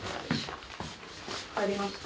帰りました。